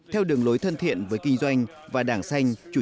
theo đường lối thân thiện với kinh doanh và đảng xanh